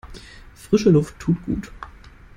Frische Luft tut gut.